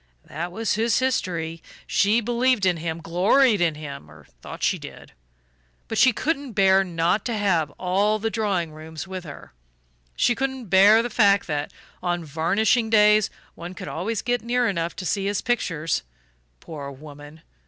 "That was his history. She believed in him, gloried in him or thought she did. But she couldn't bear not to have all the drawing rooms with her. She couldn't bear the fact that, on varnishing days, one could always get near enough to see his pictures. Poor woman!